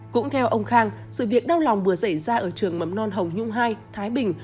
cũng theo ông khang sự việc đau lòng vừa xảy ra ở trường mầm non hồng nhung hai thái bình